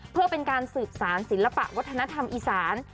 เพื่อเป็นการสืบสารศิลปะวัฒนธรรมอีสาน